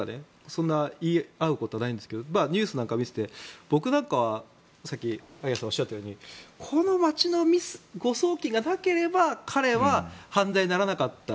そんなに言い合うことはないんですがニュースなんかを見ていて僕はさっき萩谷さんもおっしゃっていたようにこの町のミス、誤送金がなければ彼は犯罪にならなかった。